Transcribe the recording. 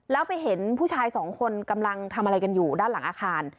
แล้วไปเห็นผู้ชายสองคนกำลังทำอะไรกันอยู่ด้านหลังอาคาร